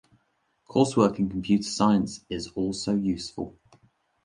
Coursework in computer science is also useful.